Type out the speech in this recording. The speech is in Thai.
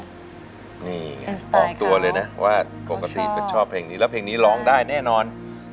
นี่นี่ฟังตัวเลยนะว่าก็ชอบเพลงนี้และเพลงนี้ร้องได้แน่นอนโอ๊ยชอบ